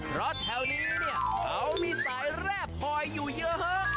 เพราะแถวนี้เนี่ยเขามีสายแร่คอยอยู่เยอะ